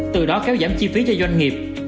từ đó kéo giảm chi phí cho doanh nghiệp